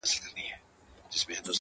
او تاته زما د خپلولو په نيت،